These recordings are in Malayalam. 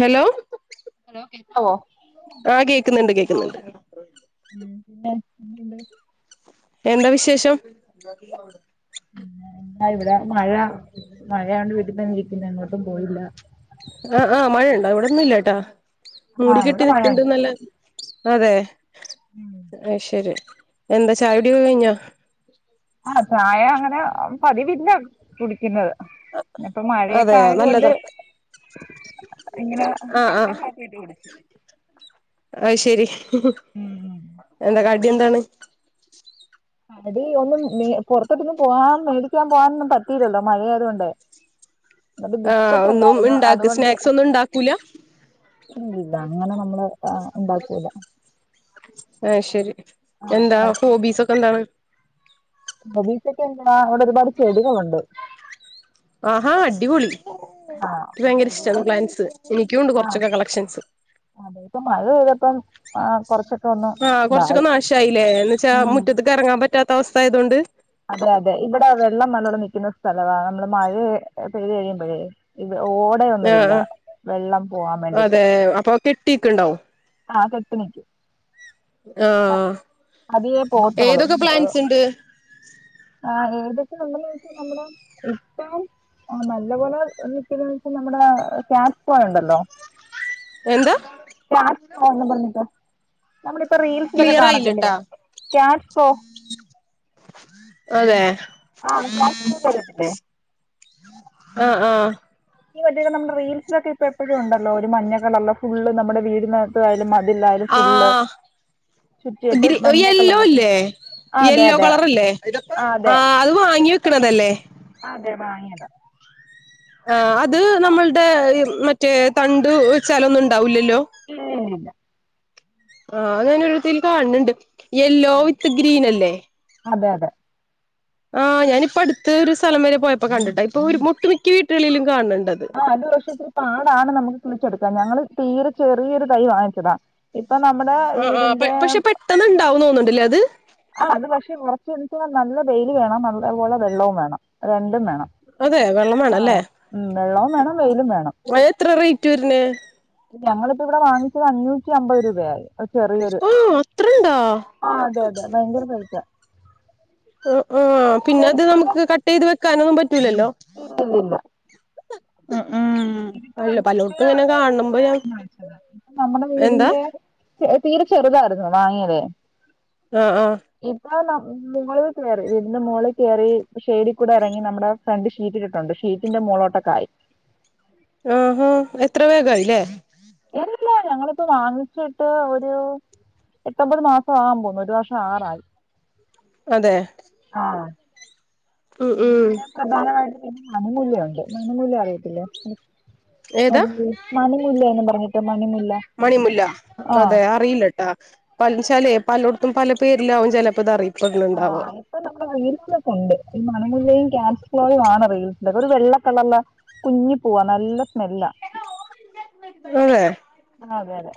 ഹലോ ഹലോ കേൾക്കാവോ ആഹ് കേക്ക്ന്ന്ണ്ട് കേക്ക്ന്ന് ണ്ട് ഉം പിന്നെ [unintelligible] ണ്ട് എന്ത വിശേഷം പിന്നെ ഇവിടെ മഴ മഴആയോണ്ട് വീട്ടി തന്നെ ഇരിക്കുന്ന് എങ്ങോട്ടും പോയില്ല ആഹ് ആഹ് മഴയുണ്ട ഇവടൊന്നും ഇല്ലാ ട്ടാ മൂടി ആഹ് കെട്ടി ഇവിടെ മഴയുണ്ട് ന്‌ക്ക്‌ണ്ട്നല്ല അതെ അയ് ശരി എന്താ ചായുടി ഒക്കെ കയ്ഞ്ഞോ ആഹ് ചായ അങ്ങനെ പതിവില്ല കുടിക്ക്ന്നത് പിന്നപ്പ മഴയൊക്കെ അതെയ ആയത് കൊണ്ട് നല്ലതാ ഇങ്ങനെ കട്ടൻ കാപ്പി ഇട്ട്‌ കുടിച്ചു അയ് ശരി എന്താ കടി എന്താണ് കടി ഒന്നും മേ പൊറത്തോടൊന്നും പോവാൻ മേടിക്കാൻ പോവാനൊന്നും പറ്റീല്ലല്ലോ മഴ ആയത് കൊണ്ട് അതൊണ്ട് ആ ബിസ്ക്കറ്റ് ഒന്നും ഉണ്ടാരുന്നു ഉണ്ടാക്ക അത്കൊണ്ട് സ്നാക്സ് ഒന്നും ഉണ്ടാക്കൂല ഇല്ല അങ്ങന നമ്മള് ഇണ്ടാക്കൂല ആത് ശരി എന്താ ആഹ് ഹോബീസൊക്കെ എന്താണ് ഹോബീസോക്കേ എന്താ ഇവടെ ഒരുപാട് ചെടികളുണ്ട് ആഹാ അടിപൊളി ആഹ് ക്ക് ഭയങ്കര ചെടികള് ഇഷ്ടാണ് പ്ലാൻസ് എനിക്കുംണ്ട് ആഹ് കൊറച്ചൊക്കെ കളക്ഷൻസ് അതെ ഇപ്പ മഴ പെയ്തപ്പം ആ കൊറച്ച് ആഹ് കൊറച്ചൊക്കെ നാശായില്ലേ എന്ന്വച്ചാ ഉം മുറ്റത്ത്ക്ക് എറങ്ങാപറ്റാത്ത അവസ്ഥ ആയതൊണ്ട് അതെ അതെ ഇവിടെ വെള്ളം നല്ലോണം നിക്കുന്ന സ്ഥലവാ നമ്മള് മഴ പെയ്തു കഴിയുമ്പഴേ ഇവെ ഓടയൊന്നുവില്ല വെള്ളം പോവാം വേണ്ടിട്ട്. ഏഹേ അപ്പൊ കെട്ടി ക്ക്ണ്ടാവും. ആഹ് കെട്ടി നിക്കും ആ ആഹ് അതിയേ പോവത്തൊള്ളു ഏതൊക്കെ എഹ് പ്ലാൻസ് ഇണ്ട് ആ ഏകദേശം ഒണ്ടെന്ന് വെച്ചാ നമ്മുടെ ഇട്ടാൽ ആ നല്ലപോലെ നിക്കോന്ന് വെച്ച നമ്മുടെ [unintelligible] യൊണ്ടല്ലോ? എന്ത്‌? [unintelligible] പർഞ്ട്ട് നമ്മളിപ്പ റീൽസിലൊക്കെ ക്ലിയർ കാണത്തില്ലേ ആയില്ലട്ടാ റ്റ്യാസ്കോ. അതെ ആഹ് ക്യാറ്റ് സ്പോ കേട്ടിട്ടില്ലേ ആഹ് ആഹാ ഈ മറ്റെ നമ്മുടെ റീൽസിലൊക്കെ ഇപ്പൊ എപ്പഴും ഒണ്ടല്ലോ ഒരു മഞ്ഞക്കളറ്ല് ഫുള്ള് നമ്മടെ വീടിനാത്ത് ആയാലും മതിൽലായാലും ഫുള്ള് ചുറ്റിയിട്ട് ഗ്രി മഞ്ഞ കളറിലെ പൂ യെല്ലോല്ലേ? ആ അതെ യെല്ലോ അതെ കളറല്ലേ ആ അത് വാങ്ങി വെക്ക്ണതെല്ലേ? അതെ വാങ്ങിയതാ. ആ അത് നമ്മൾടെ മറ്റേ തണ്ട് വെച്ചാലൊന്നും ഇണ്ടാവൂല്ലല്ലോ? ഇല്ല്യല്ല്യല്ല ആഹ് അങ്ങനൊരുതില് കാണ് ണ്ട് യെല്ലോ വിത്ത് ഗ്രീനല്ലേ? അതെ അതെ ആ ഞാനിപ്പട്ത്ത് ഒരു സ്ഥലം വരെ പോയപ്പം കണ്ട്ട്ടാ ഇപ്പൊരു ഒട്ട്മിക്ക വീട്ട്കളിലും കാൺണ് ണ്ടത്. ആഹ് അത് പക്ഷെ ഇച്ചിരി പാടാണ് നമ്മക്ക് കിളിച്ചെടുക്കാ ഞങ്ങള് തീരെ ചെറിയൊരു തൈ വാങ്ങിച്ചെതാ ഇപ്പ നമ്മടെ വീടിന്റെ പെട്ടന്ന്ണ്ടാവും തോന്ന്ണ്ട്ലേ അത്? ആ അത് പക്ഷെ കൊറച്ച് ദൂസം നല്ല വെയില് വേണം നല്ലപോലെ വെള്ളവും വേണം അഹ് രണ്ടും വേണം അതെ വെള്ളം വേണല്ലേ ആഹ് വെള്ളവും വേണം വെയിലും വേണം അത് എത്ര റേറ്റ് വരുന്നേ ഞങ്ങളിപ്പൊ ഇവിടെ വാങ്ങിച്ചത് അഞ്ഞൂറ്റി അമ്പത് രൂപയായി ഒരു ചെറിയൊരു ആഹ് അത്രണ്ടാ ആഹ് അതെ അതെ ഭയങ്കര പൈസ ആഹ് ആഹ് പിന്ന അത് നമുക്ക് കട്ടെയ്ത് വെക്കാനൊന്നും പറ്റൂലല്ലോ? ഇല്ലില്ലില്ല ഉം ഉംഹ് ഇതിപ്പ വെച്ചെത് ചെറുതായിരുന്നു വെച്ചത് നമ്മുടെ എന്താ വീടിന്റെ തീ തീരെ ചെറുതായിരുന്നോ വാങ്ങിയത്? ആഹ് ആഹ് ഇപ്പം നമ്മ മുകളിൽ കയറി വീടിന്റെ മോളി കയറി ഷെയ്ഡി കൂടെറങ്ങി നമ്മുടെ ഫ്രണ്ട് ഷീറ്റ്ട്ടിട്ടുണ്ട് ഷീ റ്റിന്റെ മോളോട്ടക്കായി ആ ഹാ എത്ര വേഗായിലേ? ഇല്ല ഞങ്ങളിപ്പൊ വാങ്ങിച്ചിട്ട് ഒരൂ എട്ടൊമ്പത് മാസാവാൻ പോകുന്നു ഒരു വർഷാകാറായി. അതെ ആണോ? ഉം ഉം പിന്നെ പ്രധാനവായിട്ടും മണിമൂല്ല്യയുണ്ട് മണിമുല്ല അറിയത്തില്ലേ? ഏതാ എന്ത് മണിമുല്ലയെന്നും പറഞ്ട്ട് മണിമുല്ല മണിമുല്ല ആ അതെ അറിയില്ലട്ടാ പലത് ച്ചാലേ പലോട്ത്തും പല പേരിലാവും ചെലപ്പത് അറിയപ്പെട്ണ് ണ്ടാവ ആഹ് ഇപ്പൊ നമ്മുടെ റീൽസിലൊക്കുണ്ട് ഈ മണമുല്ലയും, ക്യാറ്റ്സ് ക്ലോയുവാണ് റീൽസില് ള്ളെത് ഒരു വെള്ളക്കളർലാ കുഞ്ഞി പൂവാ നല്ല സ്മെല്ലാ [unintelligible] ആഹ് അതെ അതെ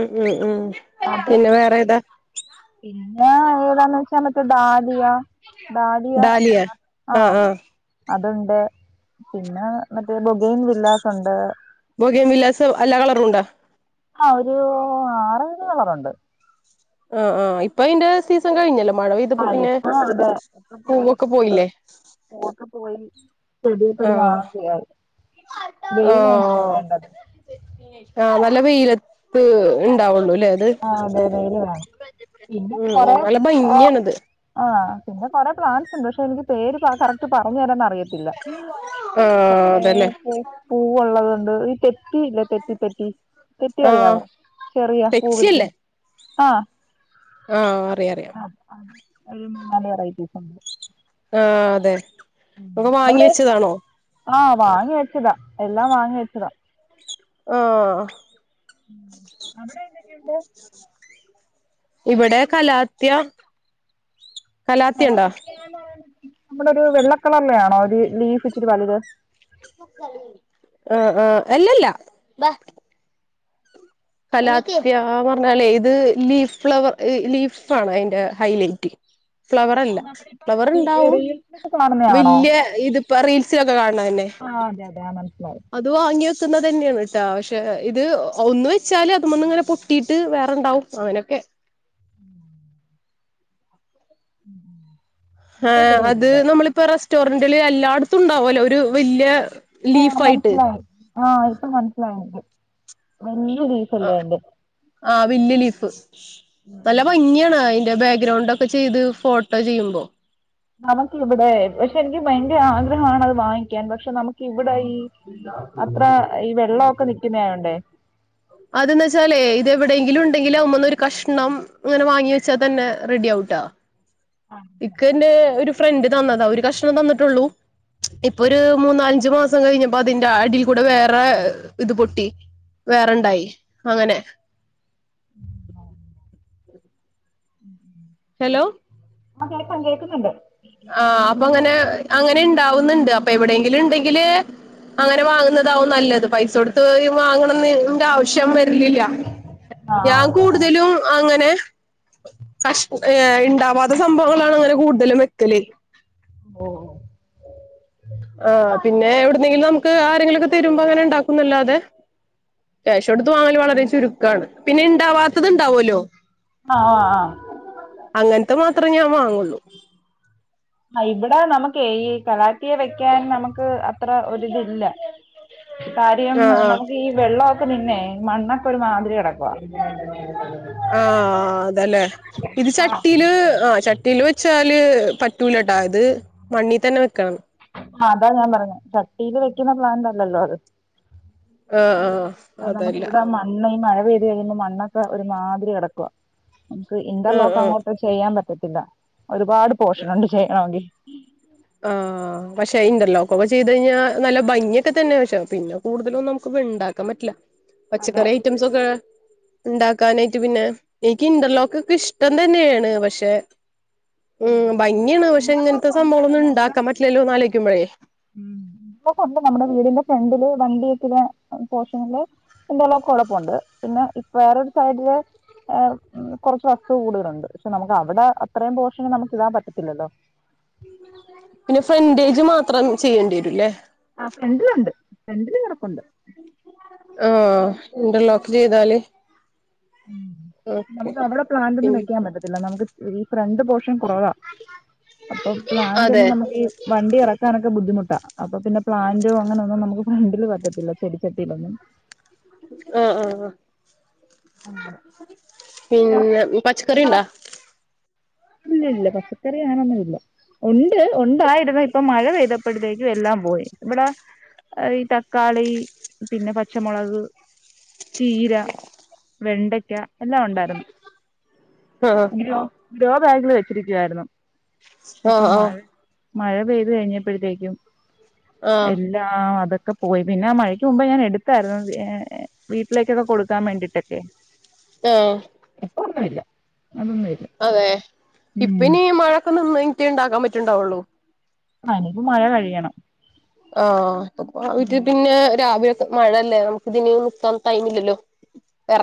ഉം ഉം ഉം അത് പിന്നെ വേറെ ഏതാ പിന്നെ ഏതാന്ന് വെച്ചാൽ ഡാലിയ ഡാലിയ ആഹ് അതുണ്ട് പിന്നെ മറ്റേ ബോഗേന് വില്ലാസ് ഉണ്ട് ബോഗേൻ വില്ലാസ് അല്ലാ കളറുണ്ടോ ആഹ് ഒരു ആറ് അഞ്ച് കളറുണ്ട് ആഹ് ആഹ് ഇപ്പൊ അതിന്റെ സീസൺ കഴിഞ്ഞല്ലോ മഴ പെയ്തപ്പോ ആഹ് പിന്നെ ഇപ്പൊ അതെ ഇപ്പൊ പോയി പൂവൊക്കെ ഫുള്ള് പോയില്ലേ പൂവൊക്കെ പോയി പെടിയൊക്കെ ആഹ് [unintelligible] വെയിലാണല്ലോ ആഹ് വേണ്ടത്. ആഹ് നല്ല വെയിലത്ത് ഉണ്ടാവുള്ളൂലേ അത് ആഹ് അതെ വെയില് വേണം പിന്നെ ഉം കൊറെ നല്ല ഭംഗിയാണത് ആഹ് പിന്നെ പ്ലാൻസ് ഉണ്ട് പക്ഷെ അത പേര് കറക്ട് പറഞ്ഞു തരാന്ന അറിയത്തില്ല ആഹ് അതല്ലേ കൊറെപ്പ പൂവള്ളതുണ്ട് ഈ തെറ്റിയില്ല തെറ്റി തെറ്റി തെറ്റി ആഹ് അറിയാവോ ചെറിയാ പെക്സി അല്ലേ ആഹ് ആഹ് അറിയാം അറിയാം ഒരു മൂന്നാല് വെറൈറ്റീസ് ഉണ്ട്. ആഹ് അതെ ഒക്കെ വാങ്ങി വെച്ചതാണോ ആഹ് വാങ്ങി വെച്ചതാ എല്ലാം വാങ്ങി വെച്ചതാ ആഹ് അവിടെ എന്തൊക്കെയുണ്ട്? ഇവിടെ കലാത്യ കലാത്യ ഉണ്ടോ [unintelligible] നമ്മളൊരു വെള്ളക്കളറിലാണോ ഒരു ലീഫിച്ചിരി വലുത്? ആഹ് ആഹ് അല്ലല്ല കലാത്യാ പറഞ്ഞാലേ ഇത് ലീഫ് ഫ്ലവർ ഈ ലീഫാണോ അയിന്റെ ഹൈലൈറ്റ്? ഫ്ലവർ ഓ, അല്ല നമ്മളിപ്പോ റീ- ഫ്ലവറ്ണ്ടാവും റീൽസിലൊക്കെ കാണുന്നയാണോ? വെല്ല്യ ഇതിപ്പ റീൽസിലൊക്കെ കാൺണല്ലെ ആഹ് അതെ അതെ ആഹ് മനസ്സിലായി. അത് വാങ്ങി വെക്കുന്നതന്നെയാണ് ട്ടോ പക്ഷെ ഇത് ഒന്ന് വെച്ചാല് അത് മന്ന് ഇങ്ങനെ പൊട്ടിയിട്ട് വേറെണ്ടാവും. അങ്ങനെയൊക്കെ ഉം [inaudible] ഏഹ് ഇവിടെ അത് ഇല്ല. നമ്മളിപ്പോ റെസ്റ്റോറന്റില് എല്ലാടത്തുണ്ടാവല്ലോ ഒരു വെല്ല്യ ആഹ് മനസ്സിലായി ആഹ് ഇപ്പ മനസ്സിലായെനിക്ക് വെല്ല്യ ലീഫല്ലേ അയ്ന്റെ ആഹ് വെല്യ ലീഫ് നല്ല ഭംഗിയാണ് അയിന്റെ ബാഗ്രൗണ്ട ക്കെ ചെയ്ത് ഫോട്ടോ ചെയ്യുമ്പോ നമക്കിവിടെ പക്ഷെ എനിക്ക് ഭയങ്കര ആഗ്രഹാണത് വാങ്ങിക്കാൻ പക്ഷെ നമക്കിവിടെ ഈ അത്ര ഈ വെള്ള ഒക്കെ നിക്കുന്നായോണ്ടേ അത് ന്നെച്ചാലേ ഇത് എവിടെയെങ്കിലു ണ്ടെങ്കിലും അമുന്നൊരു കഷ്ണം ഇങ്ങനെ വാങ്ങി വെച്ചാതന്നെ റെഡിയാവുട്ടോ ഇൻക്ക് എന്റെ ഒരു ഫ്രണ്ട് തന്നതാ ഒരു കഷ്ണം തന്നിട്ടുള്ളൂ. ഇപ്പൊരു മൂന്നാലഞ്ച് മാസം കഴിഞ്ഞപ്പോ അതിന്റെ അടിൽ കൂടെ വേറെ ഇത് പൊട്ടി വേറെണ്ടായി അങ്ങനെ ഉം ഉം ഹലോ ആഹ് കേക്കാം കേക്കുന്നുണ്ട് ആഹ് അപ്പങ്ങനെ അങ്ങനെ ണ്ടാവുന്നുണ്ട് അപ്പെ എവിടെയെങ്കിലും ഉണ്ടങ്കില് അങ്ങനെ വാങ്ങുന്നതാവും നല്ലത് പൈസ കൊടുത്ത് ഈ വാങ്ങണന്റെ ആവശ്യം വരിണില്ല ആ ആ ഞാൻ അതെ ആ. കൂടുതലും അങ്ങനെ കഷ് ഏഹ് ഇണ്ടാവാത്ത സംഭവങ്ങളാണ് അങ്ങനെ കൂടുതലും വെക്കല് ഓ. ആഹ് പിന്നെ എവിട്ന്നെങ്കിലും നമക്ക് ആരെങ്കിലൊക്കെ തരുമ്പോ അങ്ങനെ ഇണ്ടാക്കുന്നല്ലാതെ ക്യാഷൊട്ത്ത് വാങ്ങൽ വളരെ ചുരുക്കാണ് പിന്നെ ഇണ്ടാവാത്തത് ണ്ടാവൊല്ലോ. ആഹ് ആഹ്. അങ്ങൻത്തെ മാത്രേ ഞാൻ വാങ്ങൊള്ളൂ. ആ ഇവ്ടെ നമക്കേ ഈ കളാറ്റിയ വെക്കാൻ നമുക്ക് അത്ര ഒരിതില്ല. കാര്യം ആഹ് ആഹ് നമുക്കീ വെള്ള ക്ക് പിന്നെ മണ്ണക്കെ ഒരു മാതിരി കെടക്കുവാ. ആഹ് അതേല്ലേ. ഇത് ആ ചട്ടീല് ആ ചട്ടില് വെച്ചാല് പറ്റൂലട്ടാ ഇത് മണ്ണി തന്നെ വെക്കണം ആഹ് അതാ ഞാൻ പറഞ്ഞെ ചട്ടീ ല് വെക്കുന്ന പ്ലാന്റ് അല്ലല്ലോ അത്. ആഹ് അത് ആഹ് അതല്ല അതമ്മക്കിവിടെ മ ണ്ണേ മഴ പെയ്ത് കഴിയുമ്പോ മണ്ണൊക്കെ ഒരു മാതിരി കെടക്കുവ നമുക്ക് ആഹ് ആഹ് ഇന്റർലോക്കങ്ങോട്ട് ചെയ്യാൻ പറ്റത്തില്ല ഒരുപാട് പോഷനുണ്ട് ചെയ്യാണെങ്കി. ആഹ് പക്ഷെ ഇന്റർലോക്കക്കെ ചെയ്ത് കഴിഞ്ഞാ നല്ല ഭംഗിക്കെ തന്നെ പഷേ പിന്നെ കൂടുതലൊന്നും നമുക്ക് ഇണ്ടാ ക്കാം പറ്റില്ല അതെ പച്ചക്കറി ഐറ്റംസൊ ക്കെ ഇണ്ടാക്കാനെയ്റ്റ് പിന്നെ എക്കി ഇന്റർലോക്ക്ക്കെ ഇഷ്ടം തന്നെയേ ണ് പക്ഷെ ഉം ഇവിടെ ഭംഗിയാണ് പഷെ ഇങ്ങൻത്തെ ഇന്റർലോക്ക് ഉണ്ട് സംഭവങ്ങളൊന്നും ഇണ്ടാക്കാൻ പറ്റില്ലല്ലോന്നാലോയ്ക്കുമ്പഴേ ഉം ഉം [unintelligible] നമ്മുടെ വീടിന്റെ ഫ്രണ്ടില് വണ്ടിവെച്ച്ക്ക്ണ പോഷനില് എന്തൊല്ലാംകൊഴപ്പൊണ്ട് പിന്നെ ഇപ്പ വേറൊരു സൈഡില് ഏ മ് കൊർച്ച് വസ്തു കൂടുതലുണ്ട് പക്ഷെ നമുക്കവിടെ അത്രയും പോഷന് നമുക്കിടാൻ പറ്റത്തില്ലല്ലോ. പിന്നെ ഫ്രണ്ടേജ് മാത്രം ചെയ്യേണ്ടി വരൂല്ലേ? ആ ഫ്രെണ്ട്ലുണ്ട് ഫ്രെണ്ടില് കെടപ്പുണ്ട്. ആഹ് ഇന്റർലോക്ക് ചെയ്താല് ഓക്കെ നമക്ക് അവിടെ പ്ലാന്റ് പി ഒന്നും വെക്കാൻ പറ്റത്തില്ല നമുക്ക് ഈ ഫ്രണ്ട് പോർഷൻ കൊറവാ. അപ്പൊ പ്ലാന്റ് ഒന്ന് അതെ നമുക്കീ വണ്ടി ഇറക്കാനൊക്കെ ബുദ്ധിമുട്ടാ. അപ്പൊ പിന്നെ പ്ലാന്റോ അങ്ങനെ ഒന്നും നമുക്ക് ഫ്രണ്ടില് പറ്റത്തില്ല ചെടിച്ചട്ടിയിലൊന്നും. ആഹ് ആഹ് ആഹ് പിന്നെ പച്ചക്കറി ഇണ്ടാ? ഇല്ലല്ല പച്ചക്കറി അങ്ങനൊന്നും ഇല്ല. ഉണ്ട് ഉണ്ടായിരുന്നു ഇപ്പൊ മഴ പെയ്തപ്പൊഴത്തേക്ക് എല്ലാം പോയി ഇവിടെ ഈ തക്കാളി പിന്നെ പച്ചമുളക് ചീര, വെണ്ടക്ക, എല്ലാം ഉണ്ടാര്ന്നു. ആഹ്. രോ രോബാഗില് വെച്ചിരിക്കുവായിരുന്നു പക്ഷെ ഇപ്പൊ ആഹ് ആഹ് മഴ മഴ പെയ്ത് കഴ്ഞ്ഞപ്പോഴത്തേക്കും ആഹ് എ ല്ലാം അതൊക്കെ പോയി പിന്നെ ആ മഴയ്ക്ക് മുമ്പ് ഞാൻ എട് ത്തായിരുന്നു ഏ വീട്ടിലേക്കൊക്കെ കൊടുക്കാൻ വേണ്ടിട്ടൊക്കെ. ആഹ്. ഇപ്പൊന്നുല്ല ഒന്നുല്ല. അതെ ഇപ്പനീ മഴൊക്കെ നിന്ന് കയ് ഞ്ട്ടേ ഇണ്ടാക്കാൻ പറ്റ് ണ്ടാവൊള്ളൂ. അല്ലെങ്കി മഴ കഴിയണം. ആഹ് പ്പ പ്പ അവിറ്റ് ഉം പിന്നെ രാവ് ലെ മഴല്ലേ നമുക്ക് ഇതിനിയും നിർത്താ ൻ ടൈമില്ലല്ലോ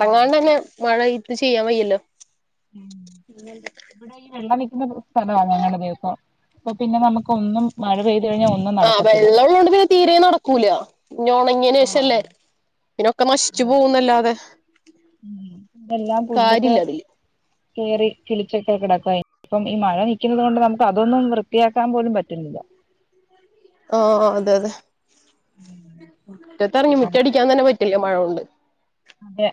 അതെ മഴ ത് ചെയ്യാൻ വയ്യല്ലോ. ഇവടെ ഈ വെള്ളം നിക്കുന്ന സ്ഥലവാ ഞങ്ങടെ ദിവസം അപ്പൊ പിന്നെ നമുക്ക് ഒന്നും മഴ പെയ്ത് കഴിഞ്ഞാൽ ഒന്നും ആഹ് നടക്കത്തില്ല വെള്ളള്ളോണ്ട് പിന്നെ തീരേ നടക്കൂല. ആഹ് നൊണങ്ങേനേഷല്ലേ അതെ പിന്നൊക്കെ നശിച്ചു അതെ പോവുന്നല്ലാതെ. ഉം എല്ലാം പുല്ലൊക്കെ അതില് കേറി കിളിച്ചൊക്കെ കിടക്കൊയ് ഇപ്പം ഈ മഴ നിക്കുന്നോണ്ട് നമുക്ക് അതൊന്നും വൃത്തിയാക്കാൻ പോലും പറ്റ്ന്ന്ല്ല. ആഹ് അതെ അതെ മുറ്റത്തിറങ്ങി അങ്ങനെ മുറ്റടിക്കാൻ തന്നെ പറ്റില്ല മഴകൊണ്ട്. അതെ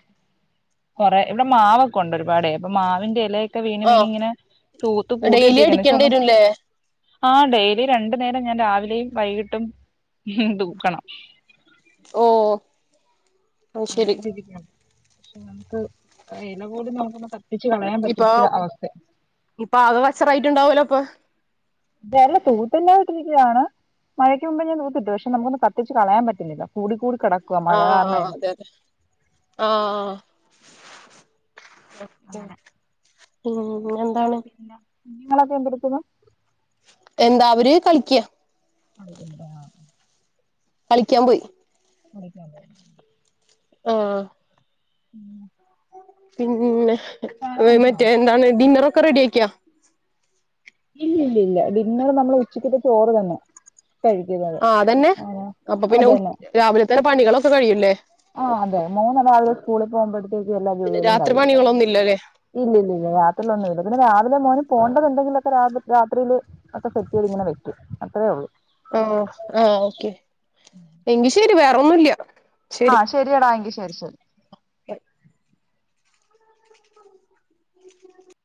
കൊറേ ഇവിടെ മാവൊക്കെ ഉണ്ട് ഒരുപാട് അപ്പൊ മാവിന്റെ ഇല ക്കെ വീണ് ഓഹ് വീണിങ്ങനെ തൂത്ത് പൂട്ടി ഡെയിലി ഇട്ടിരിക്ക പക്ഷേ അടിക്കേണ്ടി ഒന്നും വരുംല്ലേ ആഹ് ഡെയിലി രണ്ടു നേരം ഞാൻ രാവിലെയും വൈകിട്ടും തൂക്കണം. ഓഹ് അത് ശരി അങ്ങനെരിക്കും പക്ഷെ നമുക്ക് ആ ഇല കൂടി നമുക്കൊന്ന് കത്തിച്ച് കളയാൻ ഇപ്പൊ പറ്റത്ത അവസ്ഥ ഇപ്പൊ ആകെ കച്ചറായിട്ടുണ്ടാവല്ലോ അപ്പൊ ഇതല്ല തൂത്തല്ലായിട്ടിരിക്കുകയാണ്. മഴക്ക് മുമ്പ് ഞാൻ തൂത്തിട്ട് പക്ഷേ നമുക്കൊന്ന് കത്തിച്ച് കളയാൻ പറ്റില്ല കൂടി കൂടി കട ആഹ് അതെ അതെ ആഹ് ഉം അങ്ങനെ പിന്നെന്താണ് നിങ്ങളൊക്കെ എന്തടുക്കുന്നു? എല്ലാവരും കളിക്ക അവരുണ്ടോ കളിക്കാൻ പോയി. കളിക്കാൻ പോയോ ആഹ് ഉം പിന്നെ കുടിച്ചോ മറ്റേ എന്താണ് ഡിന്നറൊക്കെ റെഡി ആക്കിയ ഇല്ല ഇല്ല ഇല്ല ഡിന്നർ നമ്മൾ ഉച്ചക്കത്തെ ചോറ് തന്നെ. കഴിക്കുന്നത്. ആഹ് അതന്നെ അപ്പൊ പിന്നെ അതന്നെ രാവിലെ തന്നെ പണികളൊക്കെ കഴിയൂല്ലേ ആഹ് അതെ മൂന്നാളുകൾ സ്കൂളിൽ പോകുമ്പോഴത്തേക്ക് എല്ലാ ജോലികളും കഴിയും [unintelligible] ല്ലല്ലേ ഇല്ല ഇല്ലില്ലല്ല യാത്രയ ഒന്നും ഇില്ല പിന്നെ രാവിലെ മോന് പോണ്ടതുണ്ടെങ്കില [unintelligible] രാത്രിൽ ഒക്കെ സെറ്റ് ചെയ്ത് അങ്ങനെ വെക്കും അത്രയേ ഉള്ളൂ ഓ ആ ഓക്കെ എങ്കിൽ ശരി വേറൊന്നും ഇല്ല ആഹ് ശരിയടാ എങ്കിൽ ശരി ശരി [unintelligible] [unintelligible]